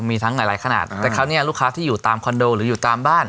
มีทั้งหลายหลายขนาดแต่คราวนี้ลูกค้าที่อยู่ตามคอนโดหรืออยู่ตามบ้าน